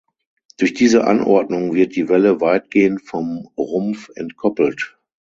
Durch diese Anordnung wird die Welle weitgehend vom Rumpf entkoppelt.